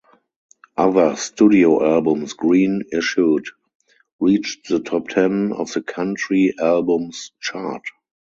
Other studio albums Greene issued reached the top ten of the country albums chart.